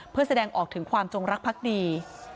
เพื่อแสดงออกถึงความจงรักพักดี